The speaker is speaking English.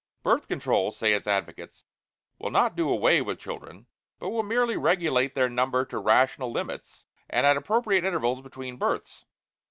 Birth Control, say its advocates, will not do away with children, but will merely regulate their number to rational limits, and at appropriate intervals between births.